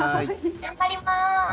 頑張ります！